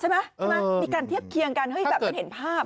ใช่ไหมมีการเทียบเคียงกันเห็นภาพอ่ะ